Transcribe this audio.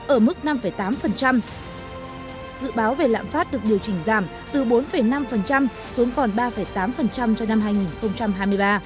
ở mức năm tám dự báo về lạm phát được điều chỉnh giảm từ bốn năm xuống còn ba tám cho năm hai nghìn hai mươi ba